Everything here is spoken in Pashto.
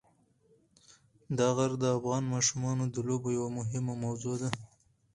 دا غر د افغان ماشومانو د لوبو یوه مهمه موضوع ده.